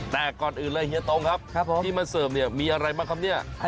แต่ก่อนอื่นเลยเฮียตงครับที่มาเสิร์ฟเนี่ยมีอะไรบ้างครับเนี่ย